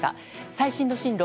最新の進路